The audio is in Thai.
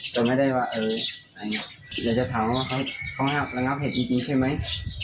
แต่ไม่ได้ว่าอยากจะถามว่าเขาระงับเหตุจริงใช่ไหม